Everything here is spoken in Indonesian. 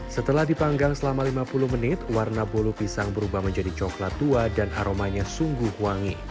setelah dipanggang selama lima puluh menit warna bolu pisang berubah menjadi coklat tua dan aromanya sungguh wangi